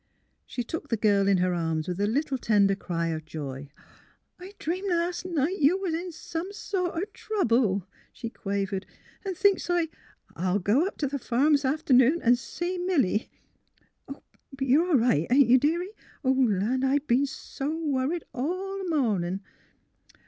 She took the girl in her arms with a little tender cry of joy. " I dreamed las' night you was in some sort o' trouble," she quavered. ^' An' thinks I, I'll go up t' the farm this aft 'noon an' see Milly. But you 're all right ; ain 't you, deary 1 Land ; I b 'en so worried all th' mornin'.